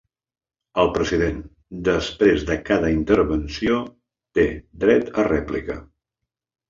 El president, després de cada intervenció, té dret a rèplica.